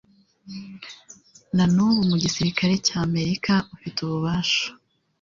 na n'ubu mu gisirikare cy'Amerika Ufite ububasha